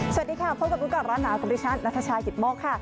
สวัสดีค่ะพบกันดูกับร้านหนาวของดิฉันนัทชายิทโมกค่ะ